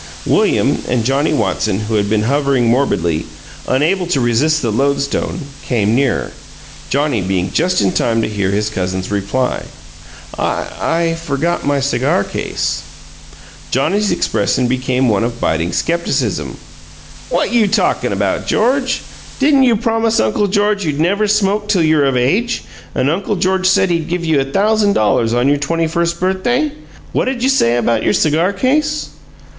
William and Johnnie Watson, who had been hovering morbidly, unable to resist the lodestone, came nearer, Johnnie being just in time to hear his cousin's reply. "I I forgot my cigar case." Johnnie's expression became one of biting skepticism. "What you talkin' about, George? Didn't you promise Uncle George you'd never smoke till you're of age, and Uncle George said he'd give you a thousand dollars on your twenty first birthday? What 'd you say about your 'cigar case'?"